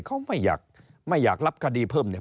เขาไม่อยากไม่อยากรับคดีเพิ่มเนี่ย